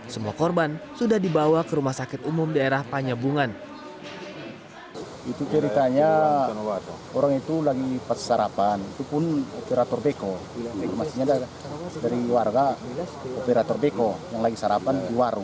semua korban sudah dibawa ke rumah sakit umum daerah panyabungan